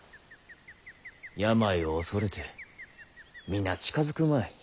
病を恐れて皆近づくまい。